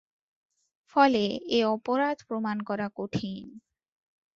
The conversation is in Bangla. ফলে এ অপরাধ প্রমাণ করা কঠিন।